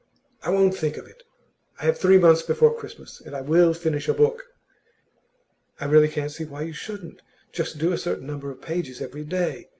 'I won't think of it. I have three months before Christmas, and I will finish a book!' 'I really can't see why you shouldn't. Just do a certain number of pages every day.